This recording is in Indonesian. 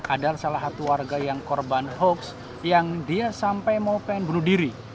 adalah salah satu warga yang korban hoax yang dia sampai mau pengen bunuh diri